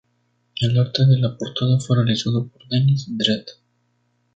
El arte de la portada fue realizado por Dennis Dread.